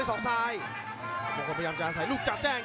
จังหวาดึงซ้ายตายังดีอยู่ครับเพชรมงคล